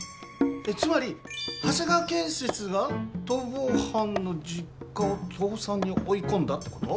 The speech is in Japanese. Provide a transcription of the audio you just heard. えっつまり長谷川建設が逃亡犯の実家を倒産に追い込んだってこと？